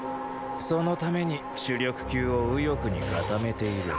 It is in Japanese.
そのために主力級を右翼に固めている。